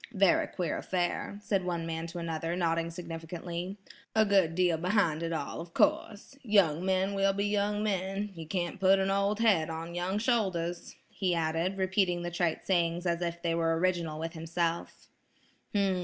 "Very queer affair," said one man to another, nodding significantly. "A good deal behind it all, of course. Young men will be young men; you can't put an old head on young shoulders," he added, repeating the trite sayings as if they were original with himself.